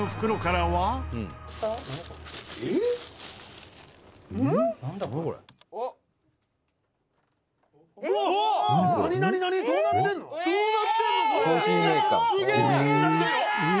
「どうなってんの？」